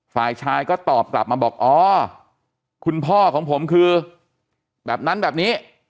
ฝ่ายชายก็ตอบกลับมาบอกอ๋อคุณพ่อของผมคือแบบนั้นแบบนี้